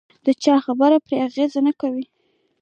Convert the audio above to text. د چا خبره پرې اغېز نه کوي.